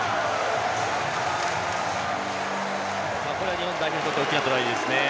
日本代表にとって大きなトライですね。